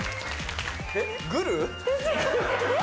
えっグル？